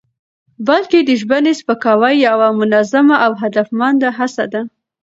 بلکې د ژبني سپکاوي یوه منظمه او هدفمنده هڅه ده؛